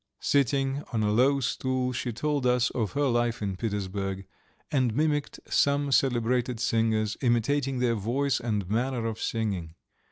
Sitting on a low stool she told us of her life in Petersburg, and mimicked some celebrated singers, imitating their voice and manner of singing.